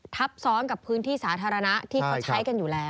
ทับซ้อนกับพื้นที่สาธารณะที่เขาใช้กันอยู่แล้ว